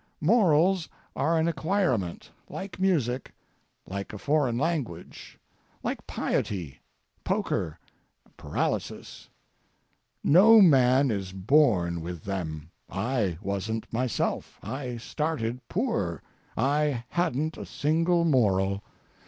Morals are an acquirement—like music, like a foreign language, like piety, poker, paralysis—no man is born with them. I wasn't myself, I started poor. I hadn't a single moral.